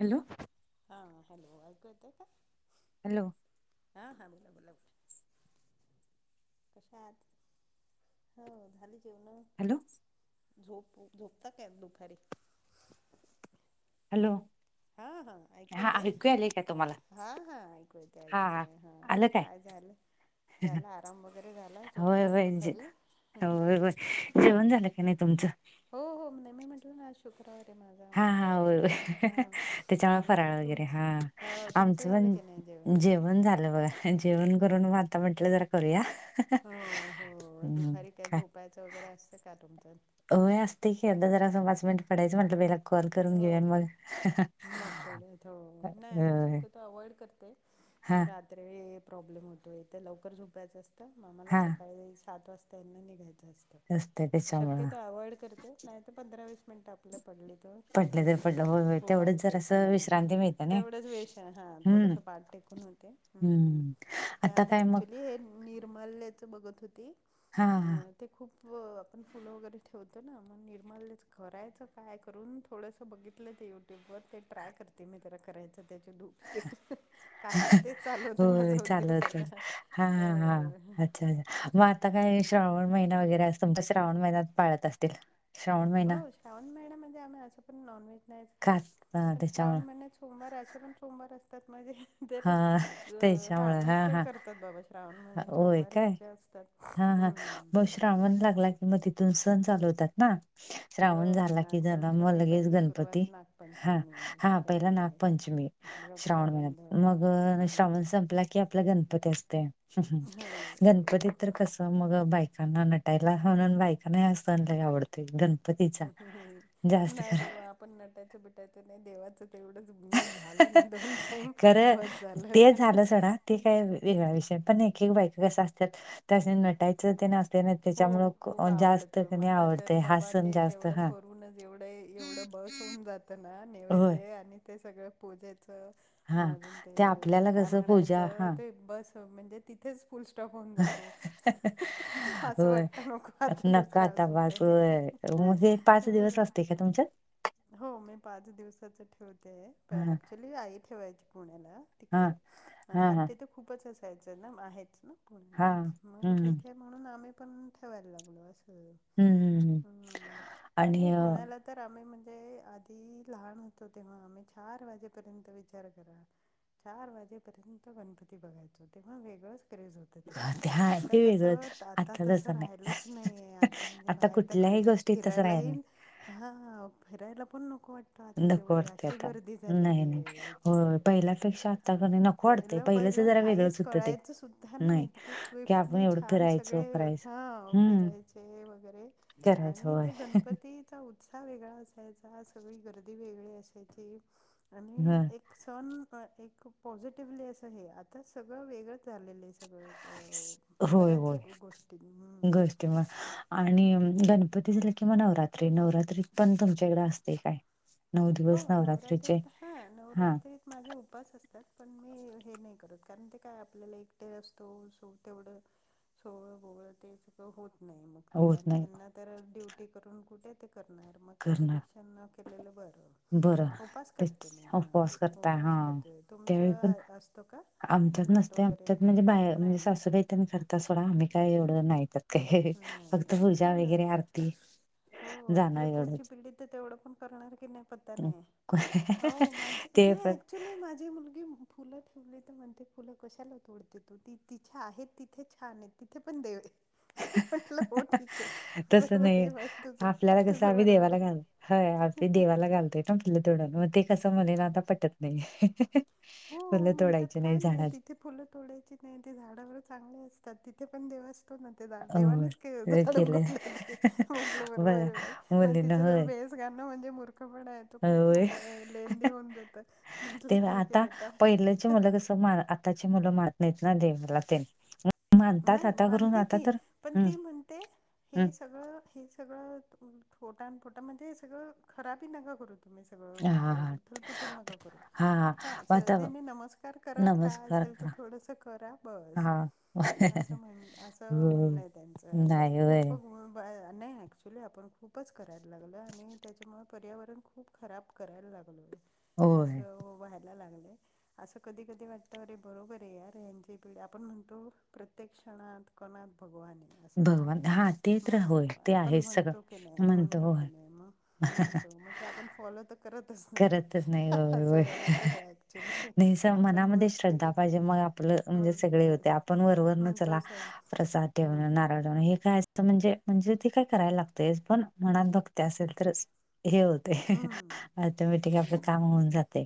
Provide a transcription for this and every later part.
Hello हां hello ऐकू येतय का? हॅलो. हां हां बोला बोला बोला. कशात हो झाली जेवण. हॅलो. झोपू झोपता काय? दुपारी हॅलो. हा हा ऐकू हा येतय आले काय ह तुम्हाला हा हा ऐकू येतय हा ऐकतोय हा. काय झालं. झाला आराम वगैरे झाला. होय झोपता का होय जे दुपारी? होय होय जेवण झालं काय नाय तुमचं? हो हो मी म्हटल ना. शुक्रवार आहे माझा हा मग हा होय होय म्हणून हा. त्याच्यामुळे हम्म फराळ वगैरे. तुमच हा. हो तुमचं आमचं झालं की नाही पण जेवण झालं बघा. जेवण करून हम्म वा आत्ता म्हटल जरा करुया. हो हो दुपारी काय झोपायचं वगैरे असतं का तुमच्यात? होय असतय की आता जरा अस पाच मिनट पडायंच म्हटलं कॉल करून घेऊन हो मग. अ अव्हाइड करते मग रात्री प्रॉब्लेम होतोय ते लवकर झोपायचं असत. म मला हा सकाळी सात वाजताना हितन निघायचं असतं. असते त्याच्यामुळं शक्यतो अव्हइड करते. नाही तर पंधरा वीस मिनिट आपल पडले. तर पडलं तर पडते पडलं आपले होय होय खूप तेवढंच जर अगदीच हा असं विश्रांती मिळते ना तेवढंच वेश हा हम्म थोडंसं पाठ टेकून हम्म‌. मग आता ऍक्चुली निर्मल्याचं बघत होती. हां, हां. अ ते खूप आपण फुलं वगैरे ठेवतो ना मग निर्मलेच करायचं काय? करून थोडंसं बघितलं ते युट्यूबवर ते ट्राय करते मी त्याला करायचं त्याचे धूप. स्टे. काय काय तेच चालू होतं होय माझा चालेल, उद्योग आता चालेल. हां, हां, हां. अ. अच्छा, अच्छा. मग आता अ, काय श्रावण महिना वगैरे अस तुमच्या श्रावण महिन्यात पाळत असतील. श्रावण महिना हो श्रावण महिन्यामध्ये आम्ही असं पण नॉनव्हेज नाहीच का खात. हां, पण त्याच्यामुळं श्रावण महिन्यात सोमवार असे पण सोमवार असतात माझे तर हां, हां त्याच्यामुळं मिस्टर हां. करतात बाबा श्रावण महिन्यात सोमवार ह्यांचे असते. हा. हा. मग श्रावण लागला की मग तिथून सण चालू होतात ना. श्रावण हो झाला कि झाला मग नागपंचमी लगेच पहिलं गणपती. सुरुवात हा नागपंचमी हा पहिला पहिले नागपंचमी. श्रावण महिन्यात. रक्षाबंधन मग हा श्रावण संपला की आपला गणपती असतंय. ह् हो हो गणपतीत तर कस अस मग बायकांना नटायला म्हणून बायकांना हा सण लय आवडतो. गणपतीचा जास्त खरं. पण नटायचं बिटायचं नाही देवाचं तेवढंच भे झालं नंतर टाईम खरं बस झालं. ते सोडा ते काय वेगळा विषय पण एक एक बायका कस असत्यात त्यांना नटायचं तेन हो खूप आवडत. मला तर आवडतंय हा बाबा सण ते जास्त तेवढं हा करूनच एवढ एवढ बस होउन जात ना होय नैवेद्य आणि ते सगळ पूजे च हा अजून ते आपल्याला काय कसं पूजा म्हणायचं हा ते बस म्हणजे तिथेच फुल स्टॉप होऊन जातो. [inaudible] असं होय. वाटतं नको आता नका दुसरं आता अजून बास काही होय. मग ते पाच दिवस हो असतय काय तुमच्यात? [inaudible] हो मी पाच दिवसाच ठेवतेय पण हा ऍक्च्युली आई ठेवायची पुण्याला हा तिकडे हा कारण हा तेथे खूपच असायचं ना आहेच ना हा पुण्यालाच मग हम्म तिथे म्हणून आम्ही पण ठेवायला लागलो अस. हम्म आणि पुण्या तर आम्ही म्हणजे आधी लहान होतो तेव्हा आम्ही चार वाजेपर्यंत विचार कर चार वाजेपर्यंत गणपती बघायचो तेव्हा वेगळंच क्रेज होत. ते हा आता ते तस वेगळंच आता तसं राहिलंच नाही ये आता म्हणजे बाहेर त्या कुठल्याही गर्दित गोष्टीत तसं फिरायला राहिल नाही येईन हां हा फिरायला पण नको वाटतं आता नको तेवढे वाटते अशी आता गर्दी नाही झालेली नाही ये होय विचित्र पहिल्यापेक्षा आता कणी नको वाटतंय पहिलं पहिलंच पहिलं जरा काहीच वेगळंच होतं ते कळायचं सुद्धा नाही इतके की आपण स्विफ्टली एवढं छान फिरायचो सगळे करायचो हा हम्म फिरायचे वगैरे करायचो आणि ते गणपतीत चा उत्साह वेगळा असायचा सगळी गर्दी वेगळी असायची आणि होय एक सण एक पॉझिटिव्हली असं हे आता सगळं वेगळंच झालेलं आहे सगळं बऱ्याच गोष्टीं हम्म देवा आणि गणपती झाला किंवा नवरात्री नवरात्री पण तुमच्या इकडें असते काय नऊ हो दिवस नवरात्रीचे नवरात्रीत हा हा नवरात्रीत माझे उपास असतात पण मी हे नाही करत कारण की काय आपल्याला एकटे असतो सो तेवढं सोळं वोगळं ते सगळं होत नाही मग ते होत आणि नाही यांना तर ड्युटी करून कुठे ते करणार तर मग करणार त्याच्यापेक्षा न केलेलं बरं बरं उपास करते मी हां, उपवास करता हा उपास करते. त्यावेळी तुमचं पण अ- असतो का? आमच्याच घट नसते वगैरे आमच्यात म्हणजे बाया नाही म्हणजे ना? सासूबाई त्यांनी करतात सोडा आम्ही काय एवढं नाही हे नाही फक्त करत. पूजा हो ना. वगैरे आरती जाणं एवढ ण नाही प ते पण मा माझी मुलगी फुलं तोडली तर म्हणते फुलं कशाला तोडते तो ती तिच्याे आहेत तिथे छान आहेत तिथे पण देव म्हटलं हो ठीक आहे तस बरोबर नाही आहे बाई तुझं आपल्याला कसं तुझं आम्ही बरोबर देवाला आहे. घाल हय आप ते देवाला घालतोय ना आपलं तोडून मग ते कसं म्हलेला आता पटत नाही हो फुलं म्हणतात तोडायची काय नाही झाडच तिथे फुलं तोडायची नाही ते झाडावर चांगले असतात तिथे पण देव अस्तो ना देवानेच के होय झाड केलंय उगल ते म्हंटलं बर बरोबर आहे बाई म मुलींना तिच्या ज होय भेस ना म्हणजे मुूर्खपना आहे तो खूप होय लेंदी होऊन जात म्हंटलं ते ठिक आता पहिलेचे मुलं कस मार आताचे मुलं मानत नाहीत ना देवाला ते मानतात नाही आता करून आ मानते ती पण ती म्हणते हे सगळं हे सगळं फोटा फोटा म्हणजे सगंळ खराबी नकां करू तुम्ही हा हा उथल पुथल नका करू हा श्रद्धेने नमस्कार करा काय नमस्कार असेल तर करा थोडस करा बस हा असं म्हण असं हो म्हणणं ये त्यांचं असं नाही होय खूप बा नाही ॲक्च्युली आपण खूपच करायला लागलं आणि त्याच्यामुळे पर्यावरण खूप खराब करायला लागलोय अस होय व्हायल लागलय अस कधी कधी वाटत अरे बरोबर आहे यारे यांची पिढी आपण म्हणतो प्रत्येकक्ष्षणात कणाात भगवान ये असं म्हणतो भगवान हा ते तर होय मग ते आपण आहे सगळं म्हणतो की नाही म्हणतो की नहीं मग म्हणतो मग ते आपण फॉलो करतच करतच नाही होय अस होय ये असये ऍक्च्युली नाही स आपण मनामध्ये मूर्ती श्रद्धा पाहिजे मग म्हणजे मग सगळे होते बस आपण वरवररन हं चला तस प्रसाद ठेवण हम्म नारळ ठेवण हे काय तर म्हणजे म्हणजे ते काय करायला लागतय पण मनात भक्ति असेल तर हे होत ते हम्म ऑटोमॅटिक आपलं काम होऊन हम्म जाते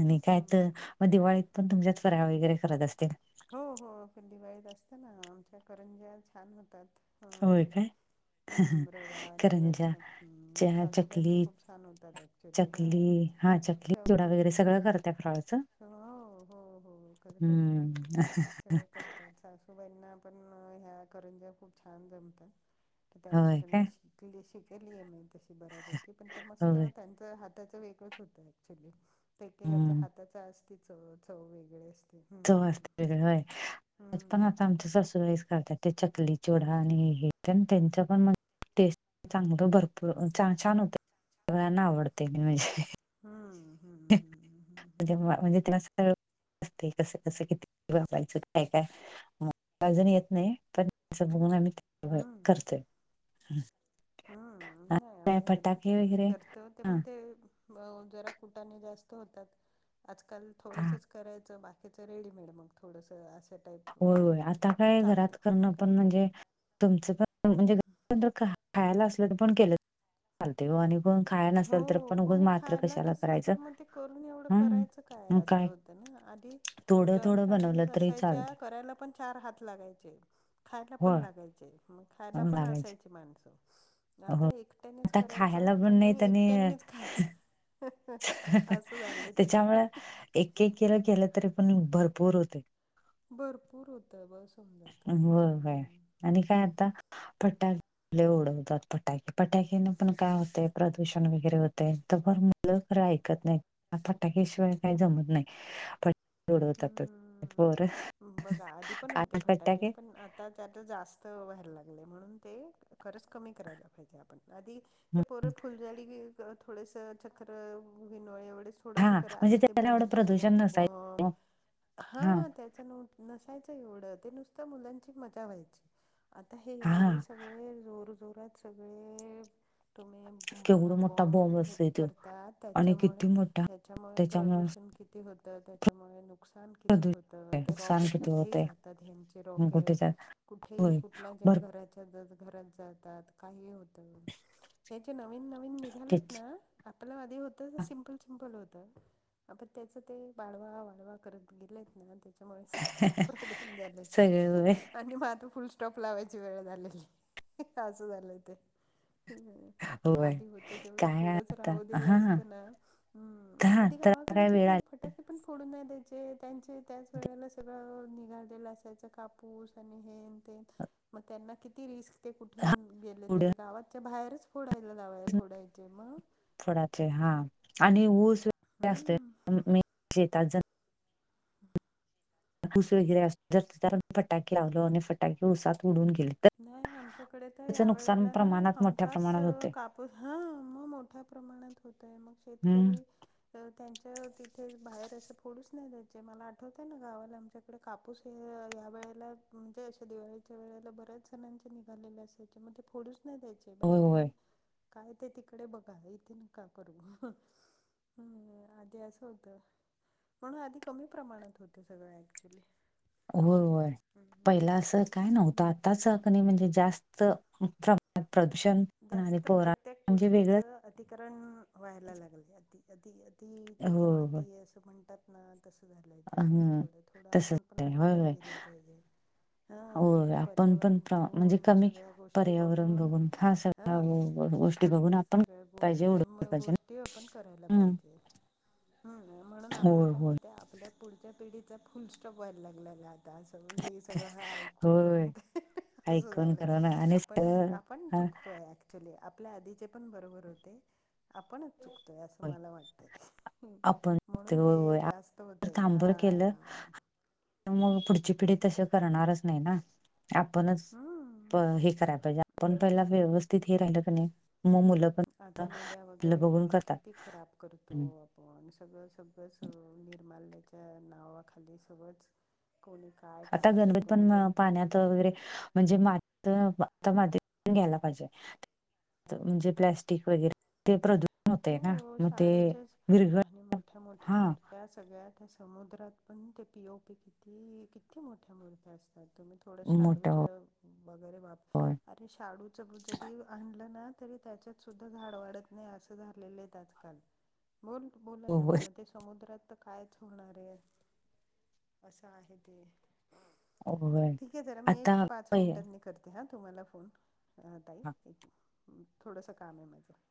आणि काय तर हम्म मग दिवाळीत पण तुमच्यात फराळ वगैरे करत असतील. हो हो ते दिवाळीत असतना आमच्या करंज्या छान होतात. होय हां. काय हम्म रवा आणि करंजा याच्या चहा सासूबाईंच्या चकली खूप छान होतात. ऍक्च्युली हं चकली हा चकली चिवडा वगैरे सगळ करतात फराळाच. हो हो हो खर करतात हम्म सगळ करतात. सासू वहिनींना पण ह्या करंजा खूप छान जमतात तर होय त्यांच्याकडन काय शिकली. त शिकलीये मी तशी बऱ्यापैकी पण ते मस्त होय त्यांचा हात त्याच वेगळंच होत. ऍक्च्युली एकेकांचं हम्म हातच असती चव चव वेगळे अस चव असते वेगळी होय पण हम्म आता आमच्या हम्म सासुबाईच करतात. ते चकली चिवडा आणि हे पण त्यांचकडन टेस्ट चांगल भरपूर छान होत. सगळ्यांना आवडते मेन म्हणजे. हम् हम्म म्हणजे म्हणजे तला स अस कस कस किती वापरायच काय काय. अजून येत नाही पण त्याच बघून आम्ही हम्म करतोय. हम्म आणि नाही काय आम्हाला यथे फटाके चकली वगैरे करतो ते हा पण ते अ जरा कुटाने जास्त होतात. आजकाल हा थोडसच करायच बाकीच रेडीमेड मग थोडस असे होय होय आता काय घरात करण पण काय म्हणजे. तुमच पण म्हणजे घरात खायला असल तर पण केल चालते. ओ आणि पण खाया नसेल तर हो उगच कोणी मात्र खायला कशाला नसल करायचं तर मग ते करून एवढ हम्म करायच काय अस हो आधी थोडं जॉईंट थोडं बनवलं फॅमिलीज तरी असायच्या चालते करायला. पण चार हात लागायचे खायला पण होय लागायचे मग खायला चांगलं पण लागायचं असायचे माणस. आता हो एकट्यानेच आता करायच खायला पण आणि नाहीत एकट्यानीच खायच. अस झालय ते. त्याच्यामुळे एक एक किलो केल तरी पण भरपूर होतय. भरपूर होतय बस होऊन जाईल. होय होय आणि काय आता फटाके आपले उडवतात फटाके फटाकेन पण काय होतय. प्रदूषण वगैरे होतय तर मग मुलं खर ऐकत नाही फटाके शिवाय काही जमत नाही. पण उडवतात पोर हम्म बघा आधी पण होते आता फटाके पण आता त्यात जास्त व्हायला लागलाय म्हणून ते खरच कमी करायला पाहिजे आपण आधी हं. ते पोर फुलझाडी घेऊन. थोडेस चक्र वीनोळे एवढेस थोडस हा करा म्हणजे आता ते त्याला एवढं बॉम्ब एवढे प्रदूषण मोठे नसायच बॉम्ब हा त्याच नसायच एवढ ते नुसत मुलांची मजा व्हायची. आता हे हा एवढे सगळे जोर जोरात सगळे तुम्ही केवढा बॉम्ब मोठा आणि हे असतोय ते तो करतात आणि त्याच्यामुळे किती मोठा त्याच्यामुळे प्रदूषण किती. किती होते त्याच्यामुळे नको. नुकसान किती प्रदूषण होत ते नुकसान रॉकेट किती कुठेही होतय जातात. ह्यांचे कुठे रॉकेट जा कुठेही होय कुठल्या ज्या भरपूर घरात जस घरात जातात काहीही होत हे जे नवीन नवीन निघालेत त्याची ना आपल आधी होत ते सिंम्पल सिंम्पल होत. त्याच ते बाळवा वाढवा परत गेलेत ना त्याच्या मुळेच सगळे प्रॉब्लेम झालेत. सगळे होय आणि माझ फुल स्टॉप लावायची वेळ झालेली अस झालय. ते होय आधी होत तेवढ काय थोडच आता राहू दिल हा असत ना हम्म हा आधी त्याला गावाकडे काय ते वेळ आली फटाके पण फोडून नाही देत. ते त्यांचे, त्याच वेळेला सगळं निघालेलं असायच कापूस आणि हेन तेन. मग त्यांना किती रिस्क. ते कुठून हा गेले तर पुढे गावाच्या बाहेरच फोडायला लावाय फोडायचे मग फोडायचे हा, आणि ऊस तेन असतेे. हम्म आणि मेन शेतात जाते. [unintelligible] ऊस वगैरे अस जर फटाके लावल आणि फटाके ऊसात उडून गेले तर नाही आमच्याकडे तर त्याचं या नुकसान वेळेला ना, प्रमाणात मोठ्या हमखास प्रमाणात होते काप प, हा मग मोठ्या प्रमाणात होतय मग हम्म शेतकरी तर त्यांच्या तिथे बाहेर असं पडूच नाही दयाचं, मला आठवतय ना गावाला आमच्या इकडे कापूस हे ह्या वेळेला म्हणजे अशा दिवाळीच्या वेळेला बऱ्याच असं माणसं निघालेले असायचे, मग ते फोडूच नाही द्यायचे. बाई होय होय तुम्ही काय ते तिकडे बघा, इथून नका करू हम्म आधी असं होत. म्हणून आधी कमी प्रमाणात होतं सगळं ऍक्च्युली. होय, होय पहिला हम्म असं काय नव्हतं हम्म आताच कणी म्हणजे जास्त प्रदूषण आणि जास्त पोरा प्रत्येक म्हणजे वेगळंच. गोष्टीचं अतिकरण व्हायला लागले, अति, अति हो -तिथे हो माती असं म्हणतात ना. कसं झालंय तेे घरात, हम्म थोडं थोडं तसच आपण पण आहे होय आटोक्यात होय गेला पाहिजे. हा होय आपण पण पर्यावरण प्र म्हणजे बघून, कमी सगळ्या गोष्टी पर्यावरण बघून. सगळ्या हा, गो- गोष्टी बघून आपण सगळ्या पाहिजे गोष्ट, उडवलं म पाहिजे गोष्टी ओपन करायला ना हम्म. पाहिजे. हम म्हणून आपला होय काय होय होतं, आपल्या पुढच्या पिढीचा फुल स्टॉप व्हायला लागलेला आज. आता सगळ हे सगळं ऐकून होय करून ते, असं ऐकून झालंय करून आणि आपण, सगळं आपण हा, चुकतोय ऍक्चुली आपल्या आधीचे पण बरोबर होते. आपणच चुकतोय असं होय. मला वाटतय आपण ते- म्हणून होय हे होय आपण जास्त ते होतंय थांबर केलं हा मग पुढची पिढी तसं करणारच नाही ना. आपणच हम्म. हे करायला पाहिजे, आपण हम्म पहिला व्यवस्थित हे राहिलं कणी मग मुलं पण आता नद्या आपलं वगैरे बघून पण करतात किती खराब करतो. हम्म. पण सगळं, सगळंच निर्मल्याच्या नावाखाली सगळंच कोणी का आता गणबत्याना पण पाण्यात वगैरे. म्हणजे मातता, माती घ्यायला पाहिजे म्हणजे प्लस्टिक वगैरे. ते प्रदूषण होते ना, हो मग ते शाडूचेच विरघळ हा. त्या सगळ्या त्या समुद्रात पण ते पि, ओ, पी किती, किती मोठ्या मुर्त्या असतात. तुम्ही थोड मोठा शाडूच्या वगैरे वाप होय अरे शाडूचं जरी आणलं ना, तरी त्याच्यात सुद्धा झाड वाढत नाही अस झालेलं आहे आजकाल बोल, बोला तुम्ही होय मग ते समुद्रात तर कायच होणार आहे, असं आहे ते. होय. ठीक आहे जरा मी, एक आता पाच पहि मिनिटनी करते ते हां तुम्हाला फोन ताई, एक थोडंसं काम आहे माझं.